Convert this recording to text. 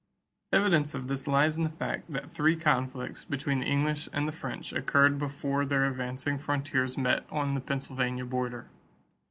Evidence of this lies in the fact that three conflicts between the English and the French occurred before their advancing frontiers met on the Pennsylvania border.